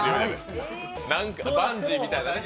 バンジーみたいなね。